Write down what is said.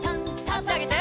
あしあげて。